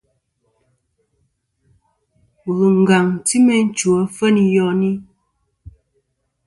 Wul ngaŋ ti meyn chwò afeyn i yoni.